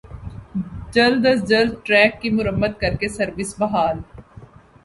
جلد از جلد ٹریک کی مرمت کر کے سروس بحال